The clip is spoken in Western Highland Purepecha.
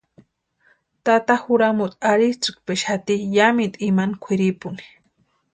Tata juramuti arhitsʼïkpexati yámintu imani kwʼiripuni.